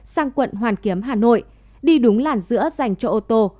sang quận hoàn kiếm hà nội đi đúng làn giữa dành cho ô tô